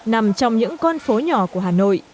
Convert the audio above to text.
nằm trong những con phố nhỏ của hà nội